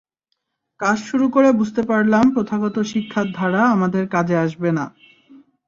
কাজ শুরু করে বুঝতে পারলাম প্রথাগত শিক্ষার ধারা আমাদের কাজে আসবে না।